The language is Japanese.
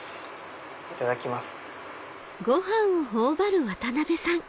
いただきます。